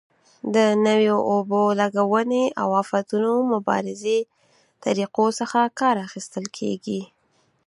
د نویو اوبه لګونې او آفتونو مبارزې طریقو څخه کار اخیستل کېږي.